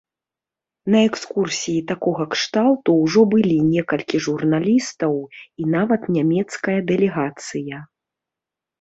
На экскурсіі такога кшталту ўжо былі некалькі журналістаў і нават нямецкая дэлегацыя.